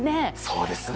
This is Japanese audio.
そうですね。